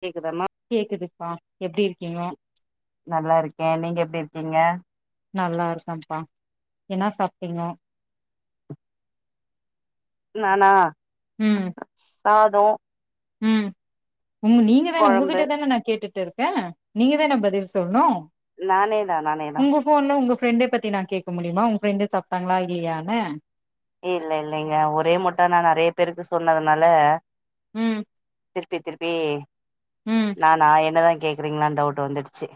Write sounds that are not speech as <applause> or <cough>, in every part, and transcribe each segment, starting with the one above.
கேக்குதா மா கேக்குதுங்பா எப்டி இருக்கீங்கோ நல்லா இருக்கே நீங்க எப்டி இருக்கீங்க நல்லா இருக்கப்பா என்னா சாப்டிங்கோ நானா ம் சாதோ ம் உங் நீங்க தானே கொழம்பு உங்ககிட்ட தான நா கேட்டுட்டு இருக்கே நீங்க தானே பதில் சொல்ணு நானே தா நானே தா இப்போன்னு உங்க ஃப்ரெண்ட பத்தி நா கேக்க முடியுமா உங்க ஃப்ரண்டு சாப்ட்டாங்களா இல்லையானு இல்ல இல்லங்க ஒரே மொட்டா நா நெறய பேருக்கு சொன்னதுனால ம் திருப்பி திருப்பி ம் நானா என்னதா கேக்குறீங்களான்னு டவுட் வந்துடுச்சு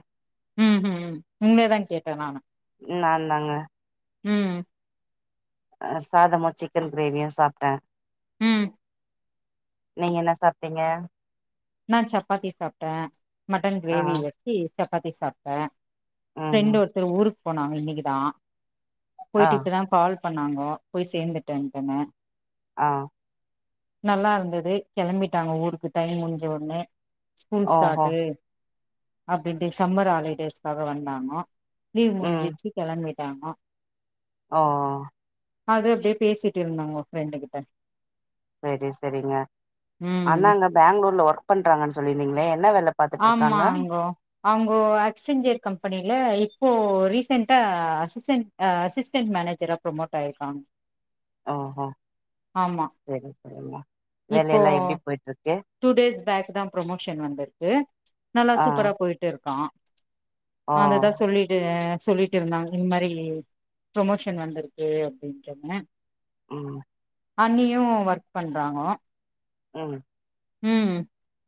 ம் ஹு ம் உங்ள தா கேட்ட நா நா தாங்க ம் அ சாதமு சிக்கன் கிரேவியு சாப்ட்டே ம் நீங்க என்ன சாப்ட்டீங்க நா சப்பாத்தி சாப்ட்டே மட்டன் ஆ கிரேவி வச்சு சப்பாத்தி சாப்ட்டே ம் ஃப்ரெண்ட் ம். ஒருத்தர் ஊருக்கு போனாங்க இன்னைக்குதா ஆ போயிட்டு இப்பதா கால் பண்ணாங்கோ போய் சேந்துட்டேன்டனு ஆ நல்லா இருந்தது கெளம்பிட்டாங்க ஊருக்கு டைம் முடிஞ்ச ஒட்னே ஸ்கூல் ஓஹோ ஸ்டாட்டு அப்டின்ட்டு சம்மர் ஹாலிடேஸ்காக வந்தாங்க லீவ் ம் முடிஞ்சிச்சி கெளம்பிட்டாங்க ஆ அது அப்டியே பேசிட் இருந்தாங்கோ ஃப்ரெண்டு கிட்ட செரி செரிங்க ம் அண்ணாங்க பேங்களூர்ல ஒர்க் பண்றாங்கன் சொல்லிருந்தீங்ளே என்ன வேல பாத்துட்டு இருக்காங்க ஆமாங்கோ அவுங்கோ ஆக்ஸ்சஞ்சர் கம்பனியில இப்போ ரீசண்ட்டா அசிஸன் அ அசிஸ்டன்ட் மேனேஜரா ப்ரோமோட் ஆயிருக்காங் செரி செரிங்க இப்போ டூ டேஸ் பேக் தா ப்ரோமோஷன் வந்த து நல்லா ஆ சூப்பரா போய்ட்டு இருக்கா ஓ அந்ததா சொல்லிட்டு சொல்லி ட்ருந்தாங்க இந் மாரி ப்ரோமோஷன் வந்திருக்கு அப்டின் சொன்ன ம் அன்னியு ஒர்க் பண்றாங்க ம் ம்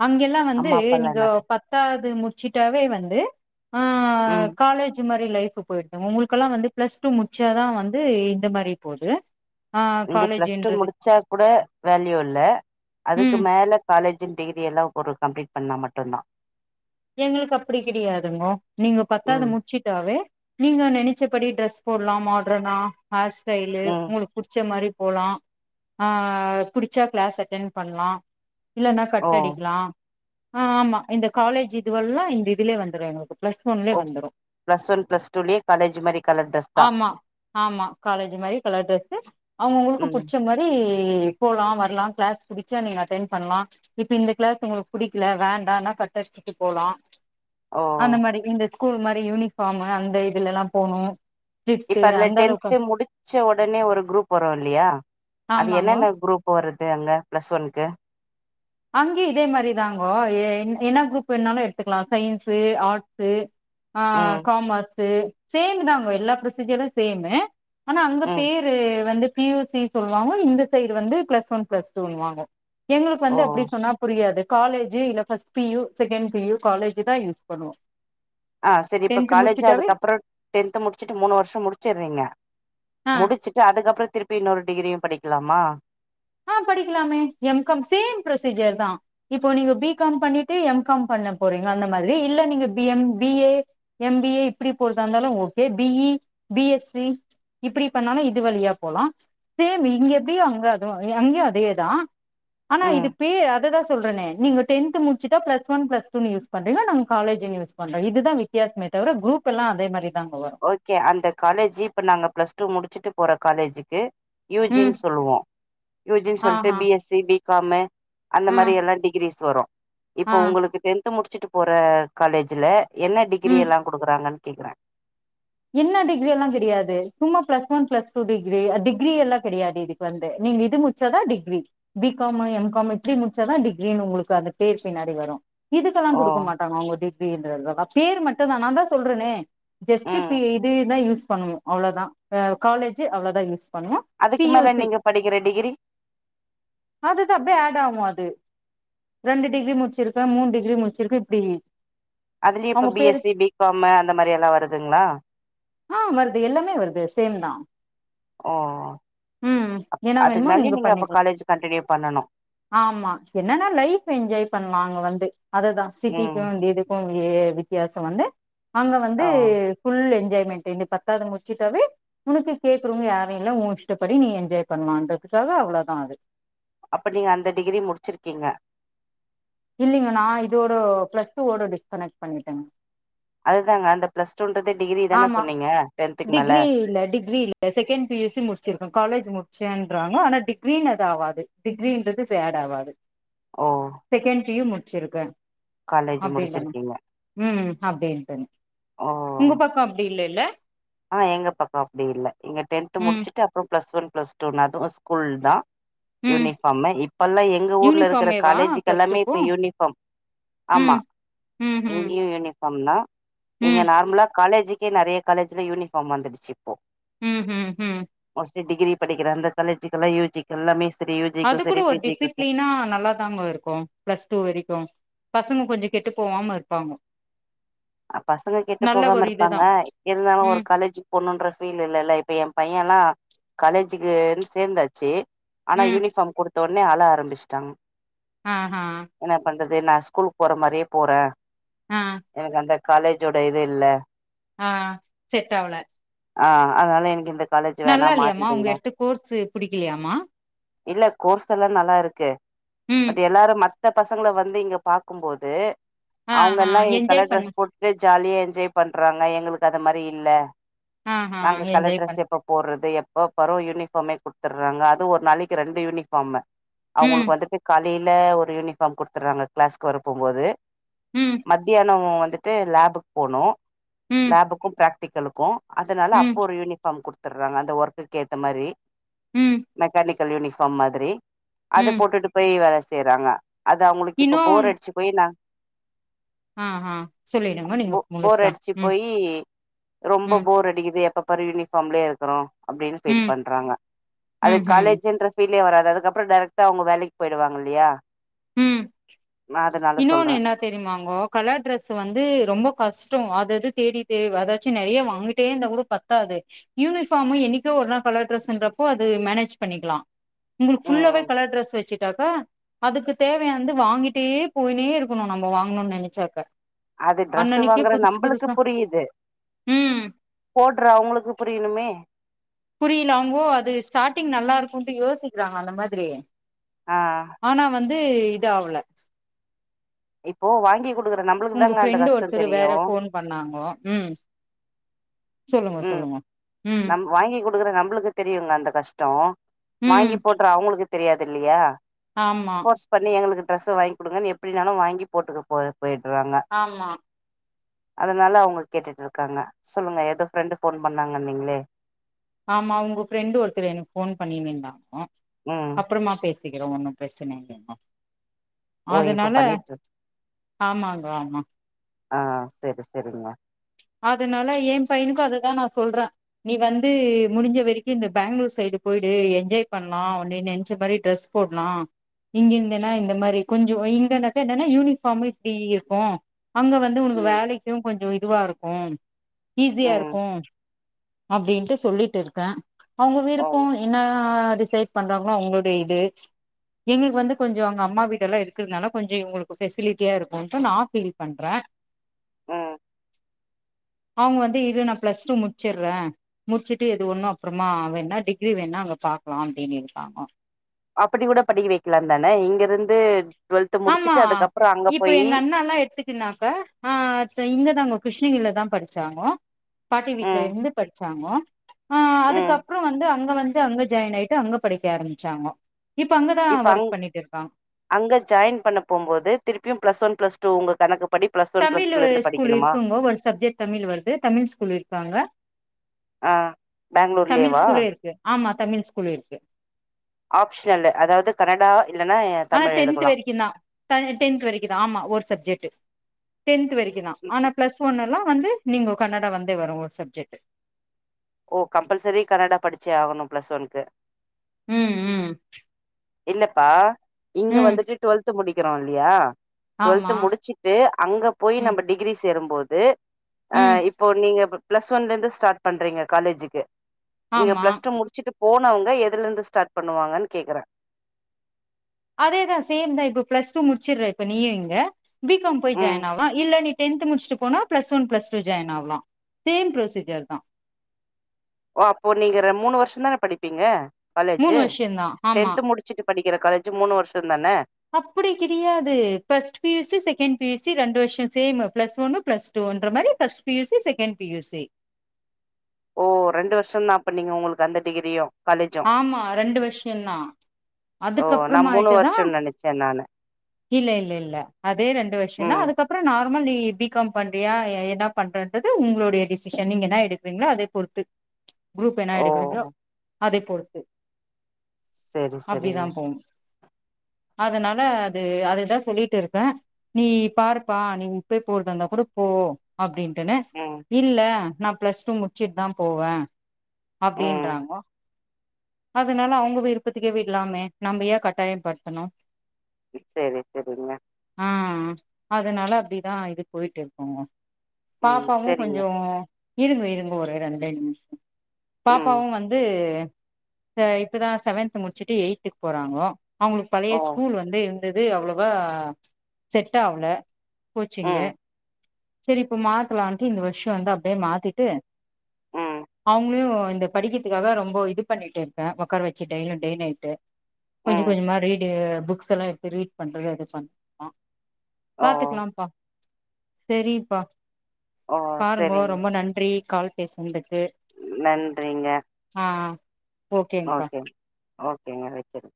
அங்கெல்லா வந்து அம்மா அப்பாலா நீங்கோ என்ன பண்- பத்தாவது முடிச்சிட்டாவே வந்து ஆ ம் காலேஜ் மாரியே லைஃப் போய்டு உங்களுக்கெல்லா வந்து பிளஸ் டூ முடிச்சாதா வந்து இந்த மாரி போது ஆ இங்க பிளஸ் டூ காலேஜ்ன்றது முடிச்சா கூட வேல்யூ இல்ல அதுக்கு ம் மேல காலேஜு டிகிரி எல்லா ஒரு கம்ப்ளீட் பண்ணா மட்டு தா எங்களுக்கு அப்டி கிடையாதுங்கோ நீங்க பத்தாது ம் முட் ச்சிட்டாவே நீங்க நெனச்சபடி ட்ரெஸ் போட்லா மாடர்னா ஹேர் ஸ்டைலு ம் உங்களுக் புடிச்ச மாரி போலா ஆ புடிச்சா கிளாஸ் அட்டன் பண்லா இல்லனா ஓ கட் அடிக்லா ஆ ஆமா இந்த காலேஜ் இதுவெல்லா இந்த இதுலயே வந்துரு எங்களுக்கு பிளஸ் ஒன்லயே ஓ வந்துரு பிளஸ் ஒன் பிளஸ் டூலயே காலேஜ் மாரி கலர் ட்ரெஸ் தா ஆமா ஆமா காலேஜ் மாரி கலர் டிரெஸு அவுங்க அவுங்களுக்கு ம் புடிச்ச மாரி போலா வரலா கிளாஸ் புடிச்சா நீங்க அட்டெண் பண்லா இப்ப இந்த கிளாஸ் உங்களுக்கு புடிக்ல வேண்டானா கட் அடிச்சிட்டு போலா ஓ அந்த மாரி இந்த கூல் மாரி யூனிஃபாமு அந்த இதுலலா போணு இப்ப ஸ்ட்ரிக்ட்டு அதுல அந்த அளவுக்கு டென்து முடிச்ச ஒடனே ஒரு குரூப் வரு இல்லியா அது ஆமாங்கோ என்னென்ன குரூப் போறது அங்க பிளஸ் ஒன்க்கு அங்கே இதே மாரி தாங்கோ எ என் என்னா குரூப் வேனாலு எடுத்துக்லா சயின்ஸு ஆர்ட்ஸு ஆ ம் காமர்ஸு சேமு தாங்கோ எல்லா ப்ரொசீஜரு சேமு ஆனா அங்க ம் பேரு வந்து பி யு சி சொல்வாங்கோ இந்த சைடு வந்து பிளஸ் ஒன் பிளஸ் டூனு வாங்க எங்களுக்கு வந்து அப் ஓ சொன்னா புரியாது காலேஜு இல்ல first PU second PU college தா யூஸ் பண்ணுவோ ஆ செரி இப்ப டென்த் காலேஜி முடிச்சுட்டாவே அதுக்கப்றோ டென்த் முடிச்சுட்டி மூணு வருஷோ முடிச்சிறீங்க ஆ முடிச்சிட்டு அதுக்கப்புற திருப்பி இன்னொரு டிகிரியு படிக்லாமா ஆ படிக்கலாமே எம் காம் சேம் ப்ரொசீஜர் தா இப்போ நீங்க பி காம் பண்ணிட்டு எம் காம் பண்ண போறீங்க அந்த மாதிரி இல்ல நீங்க B M B A M B A இப்டி போறதா இருந்தாலு okay B E B S C இப்டி பண்ணாலு இது வழியா போலா சேம் இங்க எப்டியோ அங்க அதுவு அங்கயு அதேதா ஆனா இது ம் பேர் அததா சொல்றனே நீங்க டென்து முடிச்சிட்டா பிளஸ் ஒன் பிளஸ் டூ னு யூஸ் பண்றீங்கோ நாங்க காலஜ் யூன்வர்ஸ் பண்றோ இது தா வித்யாசமே தவிர குரூப் எல்லா அதே மாரி தாங்கோ வரு ஓகே அந்த காலேஜி இப்ப நாங்க பிளஸ் டூ முடிச்சுட்டு போற காலேஜுக்கு யூ ஜின் ம் சொல்லுவோ யூ ஜி சொல்ட்டு ஆஹா பி எஸ் சி பி கா மு அந்த ஆ மாதிரி எல்லா டிகிரிஸ் வரும் ஆ இப்ப உங்களுக்கு டென்த் முடிச்சுட்டு போற காலேஜ்ல என்ன ம் டிகிரி எல்லா குடுக்குறாங்கன் கேக்குறேன் என்ன டிகிரி எல்லா கிடையாது சும்மா plus one plus two degree degree எல்லா கிடையாது இது வந்தே நீங்க இது முடிச்சி தா டிகிரி பி காமு எம் காமு இப்படி முடிச்சாதா டிகிரின் உங்களுக்கு அந்த பேர் பின்னாடி வரும் இதுக்கெல்லா ஓ குடுக்க மாட்டாங்க அவுங்க டிகிரின்றதுல்லா பேர் மட்டும் தா நா தா சொல்றேனே ஜ இதே ம் இதுதா யூஸ் பண்ணுவோ அவ்வளோதா காலேஜ் அவ்வளோதா யூஸ் பண்ணுவோ பி அதுக்கு யூ மேல சி நீங்க படிக்கிற டிகிரி அது அது அப்படியே ஆட் ஆகும் அது ரெண்டு டிகிரி முடிச்சிருக்கா மூணு டிகிரி முச்சிருக்கா இப்படி அதுலயு இப்ப பிஎஸ்சி பிகாமு அந்த மாரி எல்லா வருதுங்களா ஆ வருது எல்லாமே வருது சேம் தா ஓ ம் அப் என்ன அதுக்கு வேணுமோ மேலயு நீங்க பண்ணிக் அப்போ காலேஜ் கண்டினியூ பண்ணணு ஆமா என்னன்னா லைஃப் என்ஜாய் பண்ணலா அங்க வந்து அததா ம் சிட்டிக்கும் வேண்டியது வித்தியாசம் வந்து அங்க வந்து ஆ ஃபுல் என்ஜாய்மெண்ட்டு இங்க பத்தாவது முடிச்சிட்டாவே உனக்கு கேக்குறவுங்க யாரும் இல்ல உன் இஷ்டப்படி நீ என்ஜாய் பண்ணுவான்றதுக்காக அவ்வளோதா அது அப்ப நீங்க அந்த டிகிரி முடிச்சிருக்கீங்க இல்லைங்க நா இதோட பிளஸ் டூவோட டிஸ்கனெக்ட் பண்ணிட்டேங்க அதுதாங்க அந்த பிளஸ் டூன்றதே டிகிரி தான ஆமா சொன்னீங்க டென்த்துக்கு மேல டிகிரி இல்ல டிகிரி இல்ல செகண்ட் பிஎஸ்சி முடிச்சிருக்க காலேஜ் முடிச்சேன்றாங்க ஆனா டிகிரின் அது ஆகாது டிகிரன்றது சேட் ஆகாது ஓ செகண்டியும் முடிச்சிருக்கேன் காலேஜ் அப்படி இல்லமா முடிச்சிருக்கீங்க உம் அப்டின்ட்டுனு ஓ உங்க பக்கம் அப்டி இல்லல்ல ஆ எங்க பக்கம் அப்படி இல்ல இங்க டென்த் ம் முடிச்சுட்டு அப்புறம் பிளஸ் ஒன் பிளஸ் டூ அதுவு ஸ்கூல் தா ம் யூனிஃபார்ம்மு இப்ப எல்லா எங்க ஊர்ல இருக்குற யூனிஃபார்மேவா காலேஜுக்கு பிளஸ் எல்லாமே டூக்கு இப்ப யூனிஃபார்ம் ஆமா ம் ம் ம் இங்கயும் யூனி ஃபார்ம்னா இங்க ம் நார்மலா காலேஜுக்கே நிறைய காலேஜ்ல யூனிஃபார்ம் வந்துடுச்சு இப்போ ம் ம் உம் மோஸ்ட்லி டிகிரி படிக்கிற அந்த காலேஜிக்குல்லாம் யூஜிக்கு எல்லாமே சரி யூஜிக்கு சரி பிஜிக்கு சரி காங்க இருக்கு பிளஸ் டூ வரைக்கும் பசங்க கொஞ்சோ கெட்டு போவாம இருப்பாங்க பசங்க கெட்டு நல்ல போகாம ஒரு இதுதா இருப்பாங்க இருந்தாலும் ஒரு ம் காலேஜ் போணுன்ற ஃபீல் இல்லல்ல இப்ப என் பையன் எல்லா காலேஜுக்குன்னு சேர்ந்தாச்சு ஆனா ம் யூனிஃபார்ம் குடுத்த உடனே ஆழ ஆரம்பிச்சிட்டாங்க அ ஆ என்ன பண்றது நா ஸ்கூலுக்கு போற மாரியே போற ஆ எனக்கு அந்த காலேஜோட இது இல்ல ஆ செட் ஆவல ஆ அதனால எனக்கு இந்த காலேஜ் வேணா நல்லா இல்லையாமா அவுங்க மாத்திடுங்க எடுத்து கோர்ஸு புடிக்கலையாமா இல்ல கோர்ஸ் எல்லா நல்லா இருக்கு ம் பட் எல்லாரும் மத் த பசங்கள வந்து இங்க பாக்கும்போது ஆ அவுங்க ஹா எல்லா என்ஜாய் கலர் பண்ணு ட்ரெஸ் போட்டு ஜாலியா என்ஜாய் பண்றாங்க எங்களுக்கு அத மாரி இல்ல ஆ ஹா நாங்க கலர் என்ஜாய் ட்ரெஸ் பண்ணு எப்ப போட்றது எப்ப பற யூனிஃபார்மே குடுத்துட்றாங்க அது ஒரு நாளைக்கு ரெண்டு யூனிஃபார்மு ம் அவங்ளுக்கு வந்துட்டு காலைல ஒரு யூனிஃபார்ம் குடுத்துடுறாங்க க்ளாஸ்க்கு வரப்போம் போது ம் மத்தியான வந்துட்டு லேபுக்கு போனு ம் லேபுக்கு ப்ராக்டிக்கலுக்கு அதனால அப்போ ம் ஒரு யூனிஃபார்ம் குடுத்துடுறாங்க அந்த ஒர்க்கக்கு ஏத்த மாரி ம் மெக்கானிக்கல் யூனிஃபார்ம் மாதிரி அத ம் போட்டுட்டு போய் வேல செய்றாங்க அத அவங்களுக்கு இப்ப இன்னு போர் அடிச்சு போய் நா ம் ஹம் சொல்லிடுங்க நீங்க போ போர் முழுசா அடிச்சு போயி ரொம்ப ம் போர் அடிக்குது எப்ப பாரு யூனிஃபாம்லயே இருக்கறோ அப்டின்னு ஃபீல் ம் பண்றாங்க. அது ம்ஹ்ம். காலேஜ்ஜுன்ற ஃபீலே வராது அதுக்கப்பறொ டேரெக்டா அவங்க வேலெக் போய்டுவாங்க இல்லயா ம் இன்னொன்னு சொல்றேன் என் தெரிமாங்கோ கலர் ட்ரெஸ் வந்து ரொம்ப கஷ்டோ அது அது தேடி தே அதாச்சு நெறையா வாங்கிட்டே இருந்த கூட பத் தாது. யூனிஃபாம்மு என்னெக்கோ ஒரு நாள் கலர் ட்ரெஸ்ன்றப்போ அது மேனேஜ் பண்ணிக்லா உங்களுக்கு ஃபுல்லாவே ம் கலர் ட்ரெஸ் வச்சுட்டாக்கா அதுக்கு தேவயானது வாங்கிட்டே போய்னே இருக்கணு நம்பொ வாங்கணுனு நெனச்சாக்க அது ட்ரெஸ்சு வாங்குற நம்புளுக்கு புரியுது ம். போட்ற அவ்ங்களுக்கு புரினுமே புரிலாங்கோ அது ஸ்டார்ட்டிங் நல்லா இருக்கூன்டு யோசிக்றாங்க அந்த மாதிரி ஆ ஆனா வந்து இது ஆவுல இப்போ வாங்கி குடுக்குற நம்மளுக்கு உங்க தாங்க அந்த ஃப்ரெண்டு கஷ்டோ ஒருத்தரு வேற தெரியு ஃபோன் பண்ணாங்கோ ம் சொல்லுங்கொ ம் சொல்லுங்கொ நம் வாங்கி குடுக்குற நம்மளுக்கு தெரியுங்க அந்த கஷ்டோம். ம் வாங்கி போட்ற அவுங்களுக்கு தெரியாது இல்லையா ஆமா ஃபோர்ஸ் பண்ணி எங்களுக்கு ட்ரெஸ்சு வாங்கி குடுங்கன் எப்டினாலு வாங்கி போட்டுக்க போ போய்ட்ராங்க ஆமா அதனால அவ்ங்க கேட்டுட்டு இருக்காங்க. சொல்லுங்க ஏதோ ஃப்ரெண்டு ஃபோன் பண்ணாங்கன்னீங்களே ஆமா உங்க ஃப்ரெண்டு ஒருத்தரு எனக்கு ஃபோன் பண்ணுனீங்களாக்கோ ம் அப்றமா பேசிக்கிறோ ஒன்னு ப்ரச்சன இல்லங்கோ ஓ இப்ப அதுனால பண்ணிட்டு இரு- ஆமாங்க ஆமா ஆ செரி செரிங்க அதனால ஏ பையனுக்கு அதுதா நா சொல்றே நீ வந்து முடிஞ்ச வரக்கு இந்த பேங்ளூர் சைடு போயிடு என்ஜாய் பண்ணலா அப்டி நெனச்ச மாரி ட்ரெஸ் போட்லா இங்க இருந்தின்னா இந்த மாரி கொஞ்சொ இங்கனாக்க என்னன்னா யூனிஃபாம்மு இப்டி இருக்கு அங்க வந்து உனக்கு ம் வேலெக்கு கொஞ்சொ இதுவா இருக்கு ஈஸியா ம் இருக்கு அப்டின்ட்டு சொல்லிட்டு இருக்கே. அவங்க ஓ விருப்பொ என்ன அது செ பண்றாங்களோ அவ்ங்களுடைய இது எங்களுக்கு வந்து கொஞ்சொ அங்க அம்மா வீடெல்லா இருக்றனால கொஞ்சொ இவ்ங்களுக்கு ஃபெசிலிட்டியா இருக்கூன்ட்டு நா ஃபீல் பண்றே ம் அவ்ங்க வந்து இரு நா ப்ளஸ் டூ முட்ச்சிற்ற முட்ச்சுட்டு எது ஒன்னு அப்றோமா வேணா டிகிரி வேண்ணா அங்க பாக்லா அப்டினு இருக்காங்கோ அப்பிடி கூட படிக்க வெக்கெலா தான. இங்க இருந்து ட்வல்த் முடிச்சுட்டு அதுக்கப்பறோ அங்க போயி னால எட்த்து தினாக்க ஆ த இங்கதாங்க கிருஷ்ணகிரில தா படிச்சாங்கோ பாட்டி வீட்ல ம் இருந்து படிச் சாங்கோ. ஆ ம் அதுக்கப்பறோ வந்து அங்க வந்து அங்க ஜாய்ன் ஆய்ட்டு அங்க படிக்க ஆரம்பிச்சாங்கோ இப்ப அங்கதா இப்ப அங் வர்க் பண்ணிட்டு இருக்காங் அங்க ஜாய்ன் பண்ண போம்போது திருப்பியு ப்ளஸ் ஒன் ப்ளஸ் டூ உங்க கணக்கு படி பிளஸ் ஒன் பிளஸ் தமிழு டூல இருந்து ஸ்கூல் படிக்கணுமா இருக்குங்கோ ஒரு சப்ஜெக்ட் தமிழ் வருது தமிழ் ஸ்கூல் இருக்காங்க ஆ தமிழ் பேங்ளூர்லேவா ஸ்கூலே இருக்கு ஆமா தமிழ் ஸ்கூல் இருக்கு ஆப்ஷ்னல்லு அதாவது கனடா இல்லனா ஆனா டென்த் வெரிக்குந்தா த டென்த் வரிக்குதா ஆமா ஒரு சப்ஜெட்டு டென்த் வரிக்குதா ஆனா ப்ளஸ் ஒன் எல்லா வந்து நீங்கோ கன்னடா வந்தே வரு ஒரு சப்ஜெட்டு ஓ கம்பல்சரி கன்னடா படிச்சே ஆகணு ப்ளஸ் ஒன்க்கு ம் ம் ம் இல்லப்பா இங்க வந்துட்டு டட ட்வெல்த்து முடிக்கறோ இல்லியா ட்வெல்த்து ஆமா முடிச்சுட் டு அங்க போயி ம் நம்ம டிகிரி சேரும்போது அ ம் இப்போ நீங்க ப ப்ளஸ் ஒன்லந்து ஸ்டாட் பண்றீங்க காலேஜுக்கு இங்க ஆமா ப்ளஸ் டூ முடிச்சுட்டு போனவங்க எதுலந்து ஸ்டாட் பண்ணுவாங்கன் கேக்குறே அதேதா சேம் தா இப்ப ப்ளஸ் டூ முடிச்சுட்ற இப்ப நீயு இங்க பி காம் போயி ம் ஜாய்ன் ஆவ இல்ல நீ டென்த்து முட்ஷ்ட்டு போனா plus one plus two join ஆவலா சேம் ப்ரொசீஜர் தா ஓ அப்போ நீங்க ரெ மூணு வருஷந்தான படிப்பீங்க மூணு காலேஜு வருஷந்தா ஆமா டென்த்து முடிச்சிட்டு படிக்கிற காலேஜு மூணு வருஷந்தான அப்பிடி கிடயாது ஃபஸ்ட் பியூசி செகண் பியூசி ரெண்டு வருஷ சேமு ப்ளஸ் ஒன்னு ப்ளஸ் டீ ன்ற மாரி ஃபஸ்ட் பியூசி செகண் பியூசி ஓ ரெண்டு வருஷந்தா அப்ப நீங்க உங்களுக்கு அந்த டிகிரியு காலேஜு ஆமா ரெண்டு வருஷ்யந்தா ஓ நா மூணு அதுக்கப்புறமாயிட்டுதா வருஷம்னு நெனைச்சே நானு இல்ல இல்ல இல்ல அதே ரெண்டு வருஷந்தா ம் அதுக்கப் புற நார்மல் நீ பிகாம் பண்றியா எ என்னா பண்றன்றது உங்ளுடைய டிசிஷன் நீங்க என்னா எடுக்றீங்ளோ அதை பொறுத்து க்ரூப் என்னா ஓ எடுக்றீங்களோ அதைப்பொறுத்து செரி செரிங்க அப்டிதா போனு அதனால அது அதுதா சொல்லிட்டு இருக்கே நீ பாருப்பா நீ உப்பே போறதா இந்தா கூட போ அப்டின் டனே ம் இல்ல நா ப்ளஸ் டூ முட்ச்சுட்தா போவ ம் அப்டின்றாங்கோ அதனால அவங்க விருப்பத்துக்கே விட்லாமே நம்ப ஏ கட்டாய பட்த்தணு செரி செரிங்க ஆ அதனால அப்டிதா இது போய்ட்டு இருக்கோங்க ம் பாப்பாவு செரிங்க கொஞ்சோ இருங்க இருங்கோ ஒரு ரெண்டே நிம்ஷோ ம் பாப்பாவு வந்து அ இப்பதா செவன்த்து முட்ச்சுட்டு எய்த்துக் போறாங்கோ அவங்களுக் பழைய ஓ ஸ்கூல் வந்து இதுது அவ்ளோவா செட்டாவல கோச்சிங்கு ம் செரி இப்ப மாத்தலான்ட்டு இந்த வருஷோ வந்து அப்டே மாத்திட்டு ம் அவங்ளியு இந்த படிக்கிற்துக்காக ரொம்போ இது பண்ணிட்டு இருப்ப ஒக்கார வெச்சு டெய்லி டெய்லிட்டு கொஞ்ச ம் கொஞ்சமா ரீடு புக்ஸெல்லா எடுத்து ரீட் பண்றது அது <inaudible> ஓ பாத்துக்கலாம்ப்பா செரிப்பா ஓ பாருங்கோ செரிங்க ரொம்ப நன்றி கால் பேசன்துக்கு நன்றிங்க ஓகேங்ப்பா ஓகேங் ஓகேங்க வச்சறே